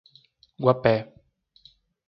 Guapé